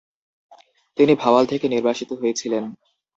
তিনি ভাওয়াল থেকে নির্বাসিত হয়েছিলেন।